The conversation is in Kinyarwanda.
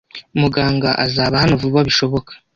Muganga azaba hano vuba bishoboka.